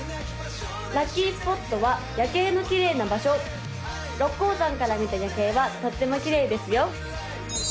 ・ラッキースポットは夜景のきれいな場所六甲山から見た夜景はとってもきれいですよ